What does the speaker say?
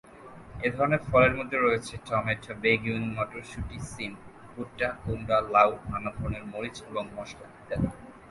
এ ধরনের ফলের মধ্যে রয়েছে, টমেটো, বেগুন, মটরশুটি, সিম, ভুট্টা, কুমড়া, লাউ, নানা ধরনের মরিচ এবং মসলা ইত্যাদি।